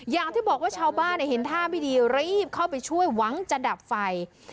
อย่างที่บอกว่าชาวบ้านเห็นท่าไม่ดีรีบเข้าไปช่วยหวังจะดับไฟ